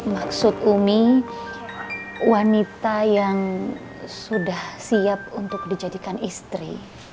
maksud umi wanita yang sudah siap untuk dijadikan istri